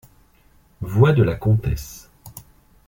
Voix de la Comtesse.